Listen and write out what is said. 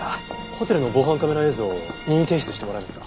ホテルの防犯カメラ映像を任意提出してもらえますか？